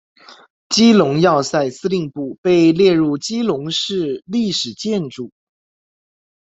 基隆要塞司令部被列入基隆市历史建筑。